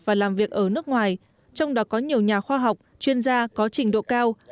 và làm việc ở nước ngoài trong đó có nhiều nhà khoa học chuyên gia có trình độ cao